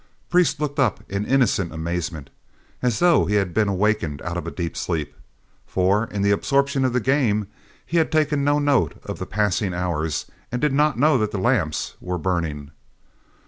Priest looked up in innocent amazement, as though he had been awakened out of a deep sleep, for, in the absorption of the game, he had taken no note of the passing hours and did not know that the lamps were burning.